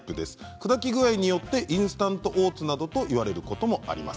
砕き具合によってインスタントオーツなどと言われることもあります。